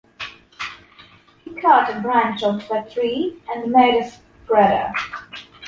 He cut a branch of a tree and made a spreader.